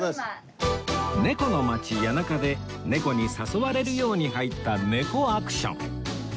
猫の街谷中で猫に誘われるように入ったねこあくしょん